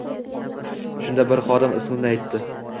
Shunda bir xodim ismimni aytdim.